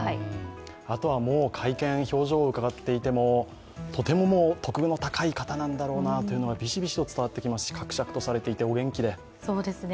あとは、会見、表情を伺っていても、とても徳の高い方なんだろうなというのがビシビシと伝わっていますし、かくしゃくとされてお元気で。